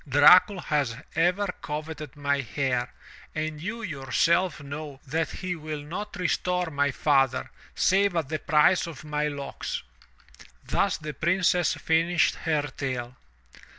Dracul has ever coveted my hair and you yourself know that he will not restore my father, save at the price of my locks/' Thus the Princess finished her tale.